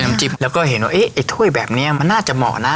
ถ้วยน้ำจิ้มแล้วก็เห็นว่าเนี้ยถ้วยแบบเนี้ยมันน่าจะเหมาะนะ